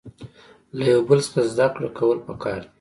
له یو بل څخه زده کړه کول پکار دي.